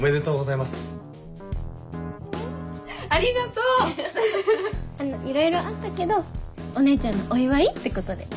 いろいろあったけどお姉ちゃんのお祝いってことで。